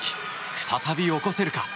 再び起こせるか。